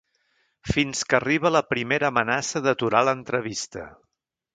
Fins que arriba la primera amenaça d’aturar l’entrevista.